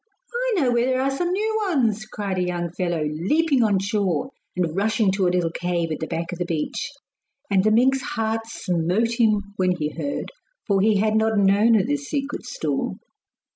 'I know where there are some new ones,' cried a young fellow, leaping on shore and rushing to a little cave at the back of the beach. And the mink's heart smote him when he heard, for he had not known of this secret store.